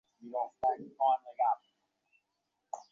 এক কথায় বলুন-না আপনি শেয়ার কিনবেন না।